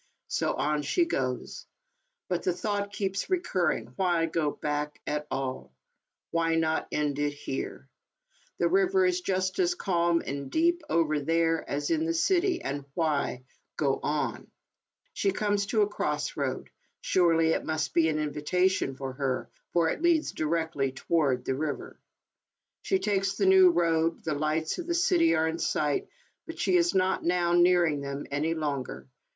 So on she goes. But the thought keeps recurring — why go back at all ? Why not end it here ? The river is just as calm and deep over there as in the city, and why go on ? She comes to a cross road ; surely it must be an invitation for her, for it leads directly toward the river. She takes the new road ; the lights of the city are in si^ht, but she is not now nearing them any longer.